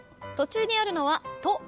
途中にあるのは「と」